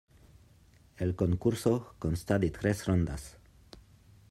El concurso consta de tres rondas.